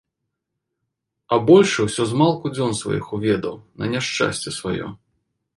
А большы ўсё змалку дзён сваіх уведаў, на няшчасце сваё.